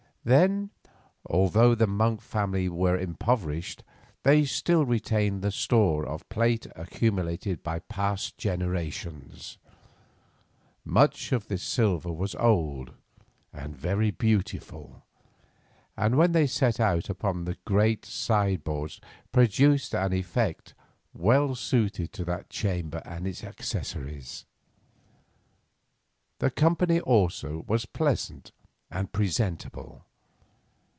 Then, although the Monk family were impoverished, they still retained the store of plate accumulated by past generations. Much of this silver was old and very beautiful, and when set out upon the great side boards produced an effect well suited to that chamber and its accessories. The company also was pleasant and presentable.